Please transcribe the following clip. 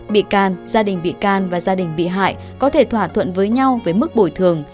bị can gia đình bị can và gia đình bị hại có thể thỏa thuận với nhau với mức bồi thường